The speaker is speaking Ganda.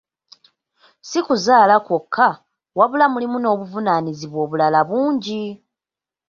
Si kuzaala kwokka, wabula mulimu n'obuvunaaanyizibwa obulala bungi.